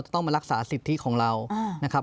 ต้องมารักษาสิทธิของเรานะครับ